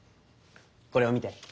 これを見て。